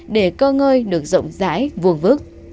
để cơ ngơi được rộng rãi vương vức